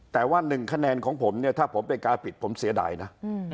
แต่ว่า๑คะแนนของผมเนี่ยถ้าผมไปกาปิดผมเสียดายนะ